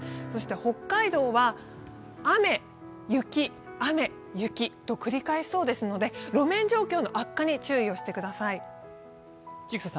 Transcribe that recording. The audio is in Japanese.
北海道は雨、雪、雨、雪と繰り返しそうですので路面状況の悪化に注意をしてください。